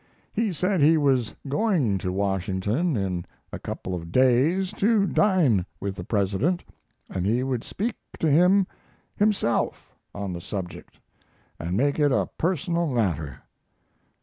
He said he was going to Washington in a couple of days to dine with the President, and he would speak to him himself on the subject and make it a personal matter.